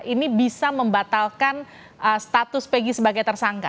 ini bisa membatalkan status peggy sebagai tersangka